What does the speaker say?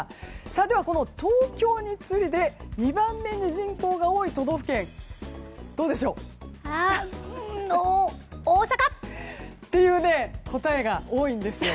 では、東京に次いで２番目に人口が多い都道府県大阪？っていう答えが多いんですよ。